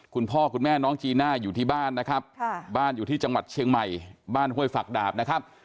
คุณพ่อคุณแม่น้องจีน่าอยู่ที่บ้านนะครับบ้านอยู่ที่จังหวัดเชียงใหม่บ้านห้วยฝักดาบนะครับ